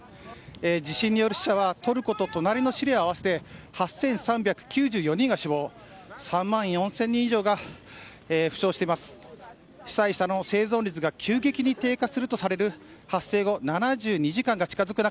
地震による死者はトルコと隣のシリアを合わせて８３９４人が死亡３万４０００人以上が負傷しています。